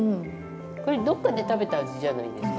これどっかで食べた味じゃないですか？